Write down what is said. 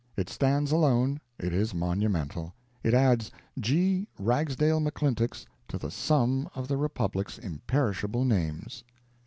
It stands alone; it is monumental. It adds G. Ragsdale McClintock's to the sum of the republic's imperishable names.